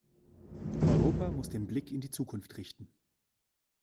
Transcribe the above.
Europa muss den Blick in die Zukunft richten.